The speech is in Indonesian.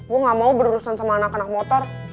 gue gak mau berurusan sama anak anak motor